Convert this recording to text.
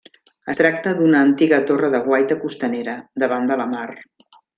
Es tracta d'una antiga torre de guaita costanera, davant de la mar.